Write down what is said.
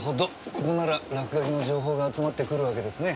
ここなら落書きの情報が集まってくるわけですね。